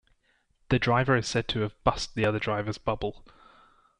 The driver is said to have 'bust the other driver's bubble.